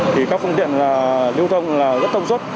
thì các phương tiện lưu thông rất thông suất